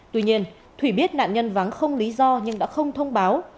tuy nhiên thủy biết nạn nhân vắng không lý do nhưng đã không thông báo